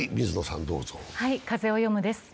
「風をよむ」です。